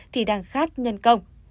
thì đang khát nhân cấp